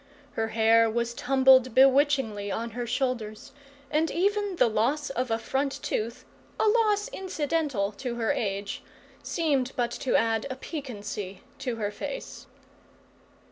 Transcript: Her hair was tumbled bewitchingly on her shoulders, and even the loss of a front tooth a loss incidental to her age seemed but to add a piquancy to her face.